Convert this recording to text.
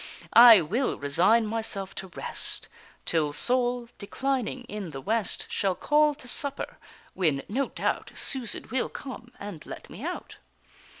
I will resign myself to rest Till Sol, declining in the west, Shall call to supper, when, no doubt, Susan will come and let me out."